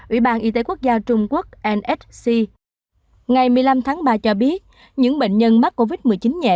ủy ban y tế quốc gia trung quốc nsc ngày một mươi năm tháng ba cho biết những bệnh nhân mắc covid một mươi chín nhẹ